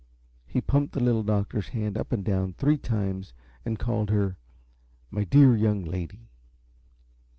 He pumped the Little Doctor's hand up and down three times and called her "My dear young lady."